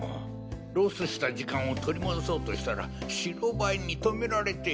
ロスした時間を取り戻そうとしたら白バイに停められて。